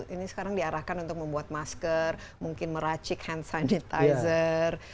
ini sekarang diarahkan untuk membuat masker mungkin meracik hand sanitizer